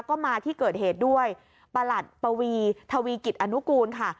ก็มาที่เกิดเหตุด้วยประหลัดปวีทวีกิจอนุกูลค่ะ